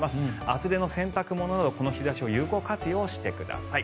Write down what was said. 厚手の洗濯物などこの日差しを有効活用してください。